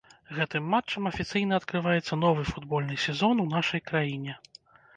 Гэтым матчам афіцыйна адкрываецца новы футбольны сезон у нашай краіне.